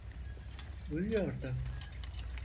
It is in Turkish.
Uyuyordu.